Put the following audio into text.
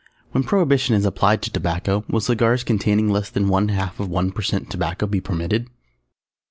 _ _When Prohibition is applied to tobacco will cigars containing less than one half of one per cent tobacco be permitted?